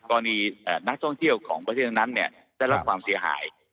กรณีนักท่องเที่ยวของประเทศนั้นได้รับความเสียหาย